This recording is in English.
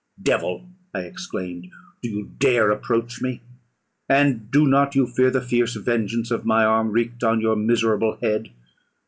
"Devil," I exclaimed, "do you dare approach me? and do not you fear the fierce vengeance of my arm wreaked on your miserable head?